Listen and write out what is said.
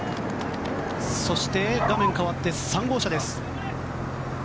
そして画面変わって３号車です。